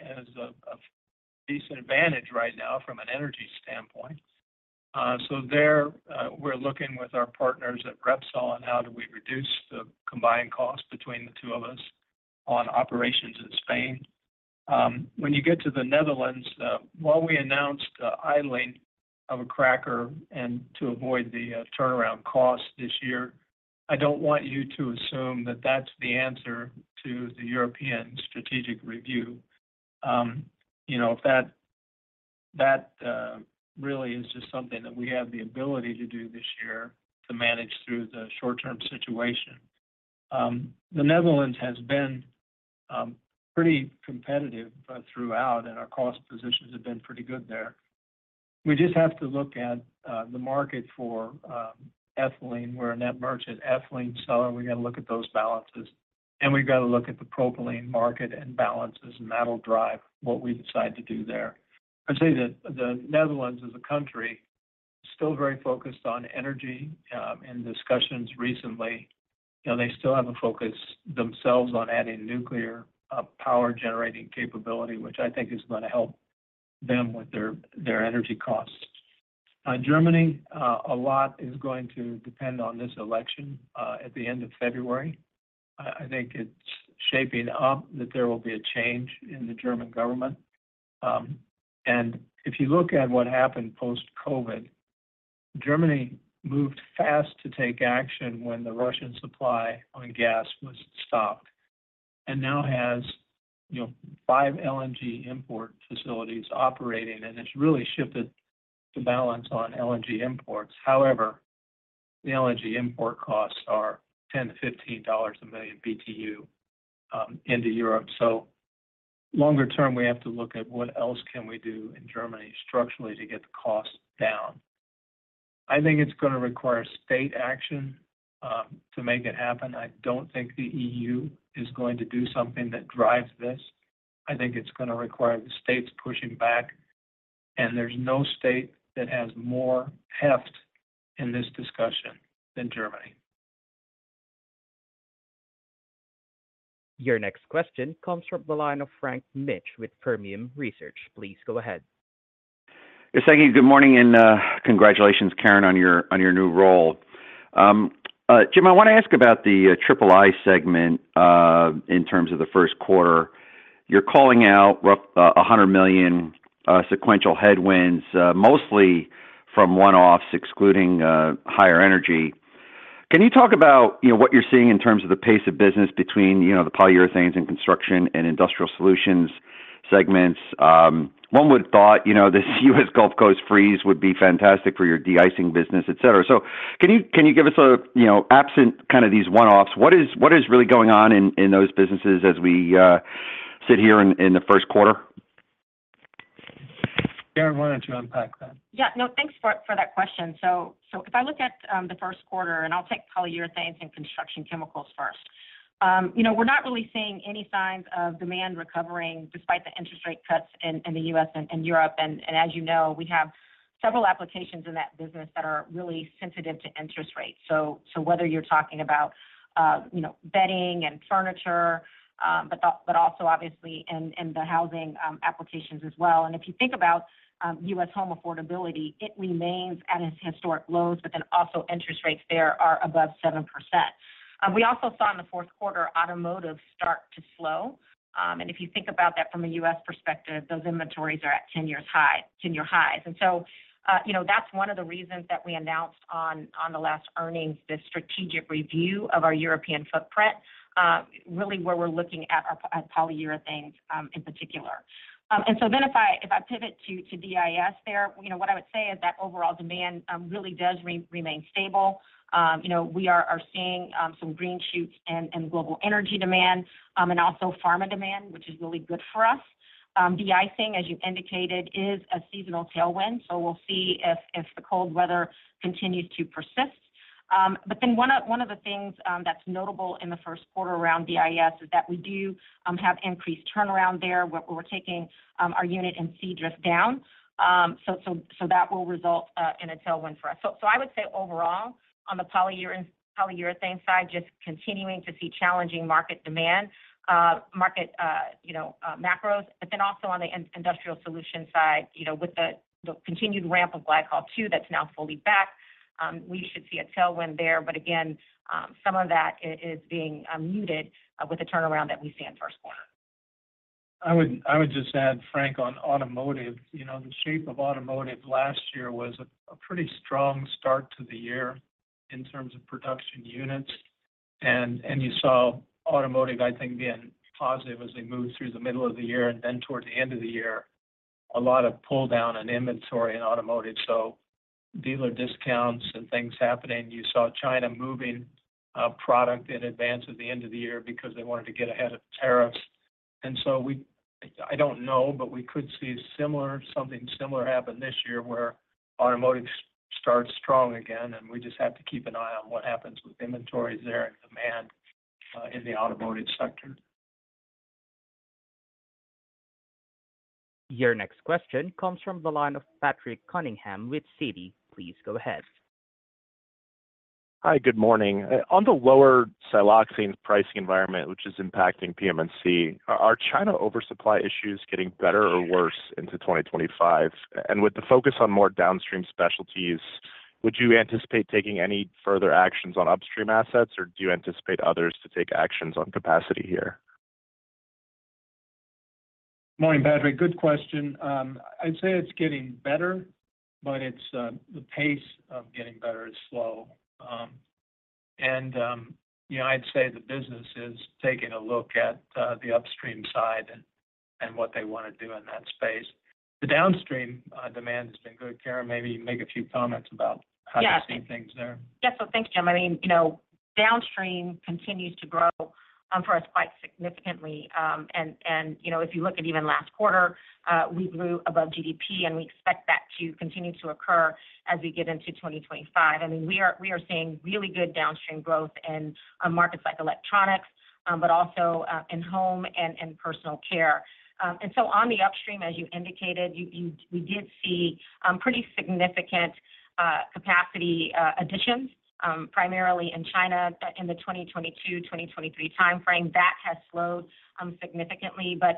has a decent advantage right now from an energy standpoint. So there, we're looking with our partners at Repsol on how do we reduce the combined cost between the two of us on operations in Spain. When you get to the Netherlands, while we announced the idling of a cracker and to avoid the turnaround costs this year, I don't want you to assume that that's the answer to the European strategic review. That really is just something that we have the ability to do this year to manage through the short-term situation. The Netherlands has been pretty competitive throughout, and our cost positions have been pretty good there. We just have to look at the market for ethylene, where we are a net merchant ethylene seller. We got to look at those balances and we've got to look at the propylene market and balances, and that'll drive what we decide to do there. I'd say that the Netherlands as a country is still very focused on energy. In discussions recently, they still have a focus themselves on adding nuclear power generating capability, which I think is going to help them with their energy costs. Germany, a lot is going to depend on this election at the end of February. I think it's shaping up that there will be a change in the German government and if you look at what happened post-COVID, Germany moved fast to take action when the Russian supply on gas was stopped and now has five LNG import facilities operating and it's really shifted the balance on LNG imports. However, the LNG import costs are $10-$15 a million BTU into Europe. So longer term, we have to look at what else can we do in Germany structurally to get the cost down. I think it's going to require state action to make it happen. I don't think the EU is going to do something that drives this. I think it's going to require the states pushing back and there's no state that has more heft in this discussion than Germany. Your next question comes from the line of Frank Mitsch with Fermium Research. Please go ahead. Yes, thank you. Good morning and congratulations, Karen, on your new role. Jim, I want to ask about the Triple I segment in terms of the first quarter. You're calling out roughly $100 million sequential headwinds, mostly from one-offs, excluding higher energy. Can you talk about what you're seeing in terms of the pace of business between the Polyurethanes and construction and Industrial Solutions segments? One would have thought this U.S. Gulf Coast freeze would be fantastic for your de-icing business, etc. So can you give us, absent these one-offs, what is really going on in those businesses as we sit here in the first quarter? Karen, why don't you unpack that? Yeah. No, thanks for that question, so if I look at the first quarter, and I'll take Polyurethanes and Construction Chemicals first, we're not really seeing any signs of demand recovering despite the interest rate cuts in the U.S. and Europe, and as you know, we have several applications in that business that are really sensitive to interest rates. So whether you're talking about bedding and furniture, but also obviously in the housing applications as well, and if you think about U.S. home affordability, it remains at its historic lows, but then also interest rates there are above 7%. We also saw in the fourth quarter, automotive start to slow, and if you think about that from a U.S. perspective, those inventories are at 10-year highs. That's one of the reasons that we announced on the last earnings this strategic review of our European footprint, really where we're looking at Polyurethanes in particular. Then if I pivot to DIS there, what I would say is that overall demand really does remain stable. We are seeing some green shoots in global energy demand and also pharma demand, which is really good for us. De-icing, as you indicated, is a seasonal tailwind. We'll see if the cold weather continues to persist. One of the things that's notable in the first quarter around DIS is that we do have increased turnaround there. We're taking our unit in Seadrift down. That will result in a tailwind for us. So I would say overall, on the Polyurethanes side, just continuing to see challenging market demand, market macros, but then also on the Industrial Solutions side, with the continued ramp of Glycol 2 that's now fully back, we should see a tailwind there. But again, some of that is being muted with the turnaround that we see in first quarter. I would just add, Frank, on automotive, the shape of automotive last year was a pretty strong start to the year in terms of production units and you saw automotive, I think, being positive as they moved through the middle of the year and then toward the end of the year, a lot of pull-down in inventory in automotive. So dealer discounts and things happening. You saw China moving product in advance of the end of the year because they wanted to get ahead of tariffs. So I don't know, but we could see something similar happen this year where automotive starts strong again and we just have to keep an eye on what happens with inventories there and demand in the automotive sector. Your next question comes from the line of Patrick Cunningham with Citi. Please go ahead. Hi, good morning. On the lower siloxane pricing environment, which is impacting PM&C, are China oversupply issues getting better or worse into 2025? With the focus on more downstream specialties, would you anticipate taking any further actions on upstream assets, or do you anticipate others to take actions on capacity here? Morning, Patrick. Good question. I'd say it's getting better, but the pace of getting better is slow. I'd say the business is taking a look at the upstream side and what they want to do in that space. The downstream demand has been good. Karen, maybe you can make a few comments about how you're seeing things there. Yeah. So thanks, Jim. I mean, downstream continues to grow for us quite significantly, and if you look at even last quarter, we grew above GDP, and we expect that to continue to occur as we get into 2025. I mean, we are seeing really good downstream growth in markets like electronics, but also in home and personal care, and so on the upstream, as you indicated, we did see pretty significant capacity additions, primarily in China in the 2022, 2023 timeframe. That has slowed significantly, but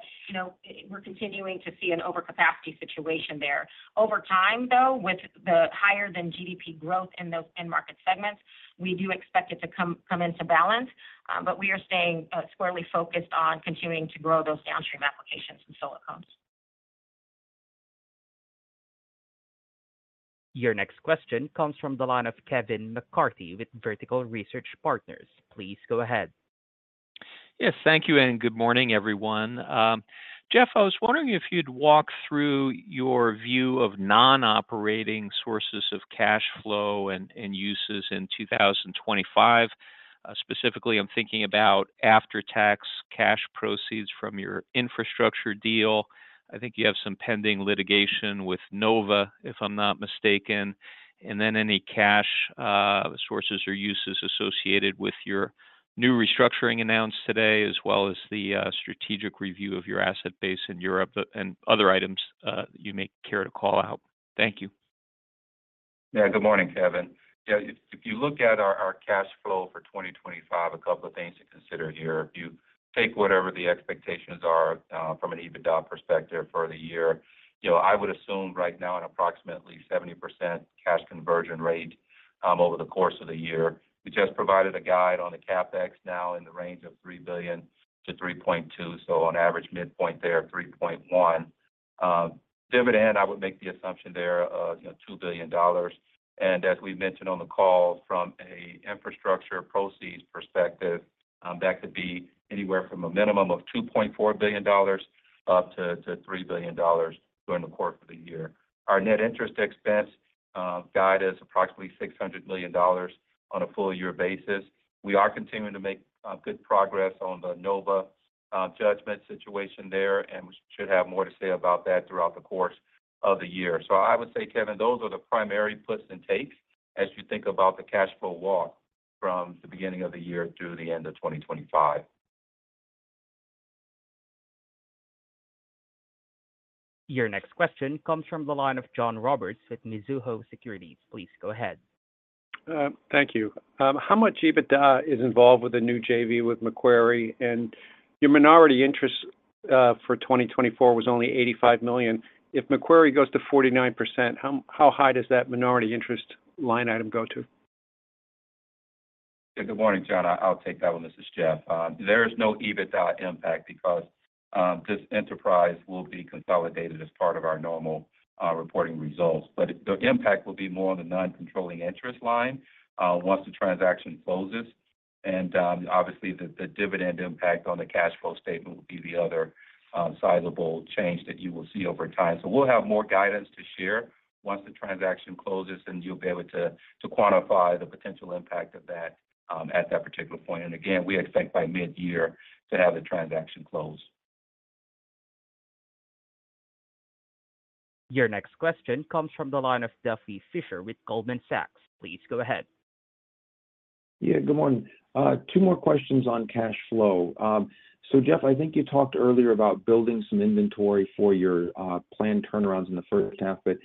we're continuing to see an overcapacity situation there. Over time, though, with the higher-than-GDP growth in those end market segments, we do expect it to come into balance, but we are staying squarely focused on continuing to grow those downstream applications in silicones. Your next question comes from the line of Kevin McCarthy with Vertical Research Partners. Please go ahead. Yes, thank you, and good morning, everyone. Jeff, I was wondering if you'd walk through your view of non-operating sources of cash flow and uses in 2025. Specifically, I'm thinking about after-tax cash proceeds from your infrastructure deal. I think you have some pending litigation with NOVA, if I'm not mistaken. Then any cash sources or uses associated with your new restructuring announced today, as well as the strategic review of your asset base in Europe and other items that you may care to call out. Thank you. Yeah, good morning, Kevin. If you look at our cash flow for 2025, a couple of things to consider here. If you take whatever the expectations are from an EBITDA perspective for the year, I would assume right now an approximately 70% cash conversion rate over the course of the year. We just provided a guide on the CapEx now in the range of $3 billion-$3.2 billion. So on average, midpoint there, $3.1 billion. Dividend, I would make the assumption there of $2 billion. As we've mentioned on the call, from an infrastructure proceeds perspective, that could be anywhere from a minimum of $2.4 billion up to $3 billion during the course of the year. Our net interest expense guide is approximately $600 million on a full-year basis. We are continuing to make good progress on the NOVA judgment situation there, and we should have more to say about that throughout the course of the year. So I would say, Kevin, those are the primary puts and takes as you think about the cash flow walk from the beginning of the year through the end of 2025. Your next question comes from the line of John Roberts with Mizuho Securities. Please go ahead. Thank you. How much EBITDA is involved with the new JV with Macquarie? Your minority interest for 2024 was only $85 million, if Macquarie goes to 49%, how high does that minority interest line item go to? Good morning, John. I'll take that one, this is Jeff. There is no EBITDA impact because this enterprise will be consolidated as part of our normal reporting results. But the impact will be more on the non-controlling interest line once the transaction closes. Obviously, the dividend impact on the cash flow statement will be the other sizable change that you will see over time. So we'll have more guidance to share once the transaction closes, and you'll be able to quantify the potential impact of that at that particular point. Again, we expect by mid-year to have the transaction close. Your next question comes from the line of Duffy Fischer with Goldman Sachs. Please go ahead. Yeah, good morning. Two more questions on cash flow. So Jeff, I think you talked earlier about building some inventory for your planned turnarounds in the first half, but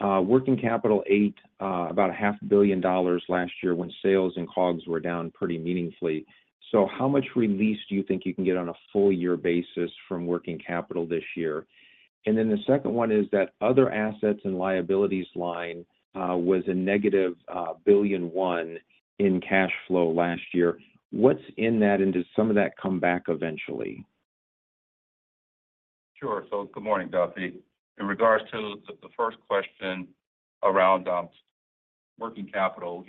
working capital ate about $500 million last year when sales and COGS were down pretty meaningfully. So how much release do you think you can get on a full-year basis from working capital this year? Then the second one is that other assets and liabilities line was -$1.1 billion in cash flow last year. What's in that, and does some of that come back eventually? Sure, so good morning, Duffy. In regards to the first question around working capital,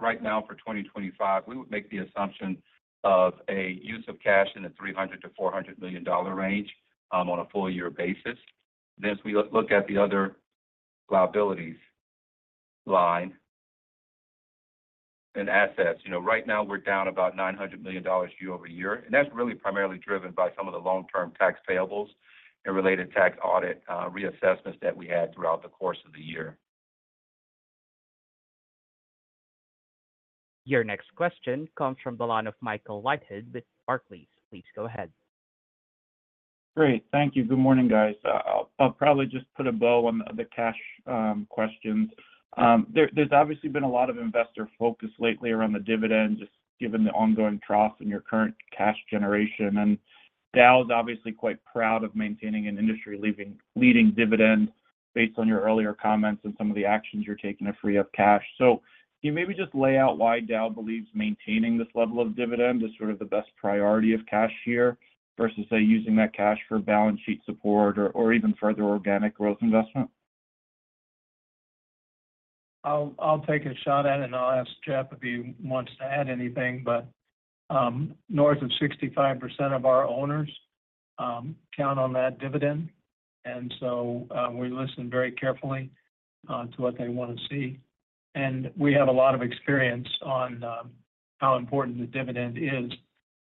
right now for 2025, we would make the assumption of a use of cash in the $300-$400 million dollar range on a full-year basis. Then as we look at the other liabilities line and assets, right now we're down about $900 million year over year, and that's really primarily driven by some of the long-term tax payables and related tax audit reassessments that we had throughout the course of the year. Your next question comes from the line of Michael Leithead with Barclays. Please go ahead. Great. Thank you. Good morning, guys. I'll probably just put a bow on the cash questions. There's obviously been a lot of investor focus lately around the dividend, just given the ongoing trough in your current cash generation. Dow is obviously quite proud of maintaining an industry-leading dividend based on your earlier comments and some of the actions you're taking to free up cash. So can you maybe just lay out why Dow believes maintaining this level of dividend is sort of the best priority of cash here versus, say, using that cash for balance sheet support or even further organic growth investment? I'll take a shot at it, and I'll ask Jeff if he wants to add anything. But north of 65% of our owners count on that dividend and so we listen very carefully to what they want to see. We have a lot of experience on how important the dividend is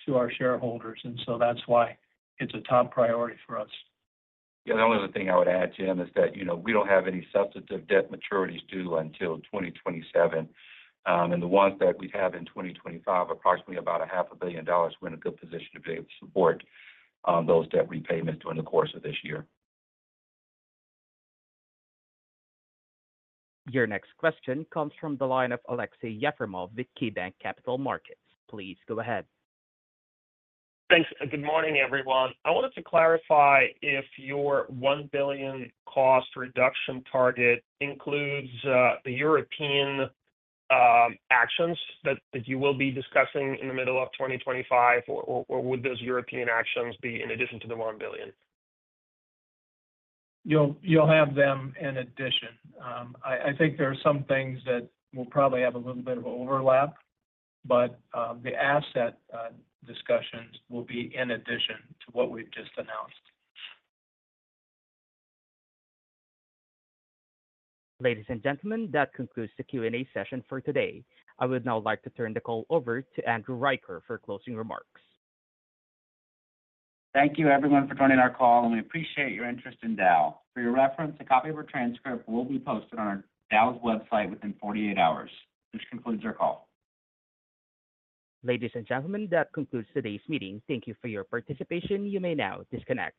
to our shareholders and so that's why it's a top priority for us. Yeah, the only other thing I would add, Jim, is that we don't have any substantive debt maturities due until 2027, and the ones that we have in 2025, approximately $500 million, we're in a good position to be able to support those debt repayments during the course of this year. Your next question comes from the line of Aleksey Yefremov with KeyBanc Capital Markets. Please go ahead. Thanks. Good morning, everyone. I wanted to clarify if your $1 billion cost reduction target includes the European actions that you will be discussing in the middle of 2025, or would those European actions be in addition to the $1 billion? You'll have them in addition. I think there are some things that will probably have a little bit of overlap, but the asset discussions will be in addition to what we've just announced. Ladies and gentlemen, that concludes the Q&A session for today. I would now like to turn the call over to Andrew Reicher for closing remarks. Thank you, everyone, for joining our call, and we appreciate your interest in Dow. For your reference, a copy of our transcript will be posted on Dow's website within 48 hours. This concludes our call. Ladies and gentlemen, that concludes today's meeting. Thank you for your participation. You may now disconnect.